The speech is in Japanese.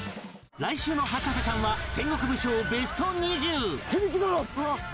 来週の『博士ちゃん』は戦国武将ベスト ２０！